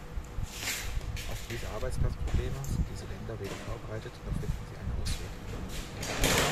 Auf diese Arbeitsplatzprobleme sind diese Länder weder vorbereitet, noch finden sie einen Ausweg.